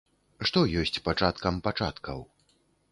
Што ёсць пачаткам пачаткаў?